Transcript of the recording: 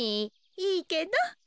いいけど。